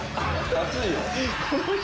熱いよ。